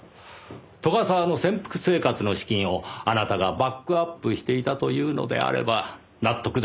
斗ヶ沢の潜伏生活の資金をあなたがバックアップしていたというのであれば納得です。